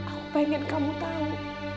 aku pengen kamu tahu